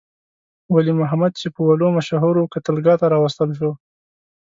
ولی محمد چې په ولو مشهور وو، قتلګاه ته راوستل شو.